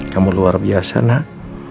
kamu luar biasa nak